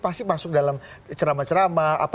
pasti masuk dalam ceramah ceramah